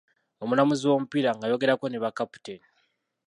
Omulamuzi w’omupiira ng’ayogerako ne ba kapiteeni.